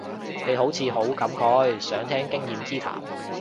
你好似好感慨，想聽經驗之談